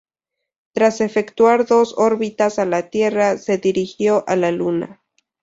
Tras efectuar dos órbitas a la Tierra, se dirigió a la Luna.